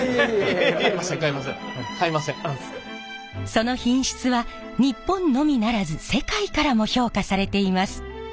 その品質は日本のみならず世界からも評価されています。